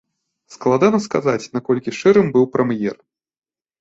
Складана сказаць, наколькі шчырым быў прэм'ер.